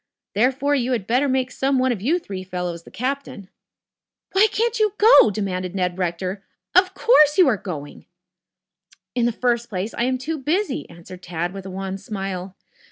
Therefore, you had tetter make some one of you three fellows the captain." "Why can't you go?" demanded Ned Rector. "Of course you are going." "In the first place, I am too busy," answered Tad with a wan smile.